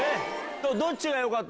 どっちがよかった？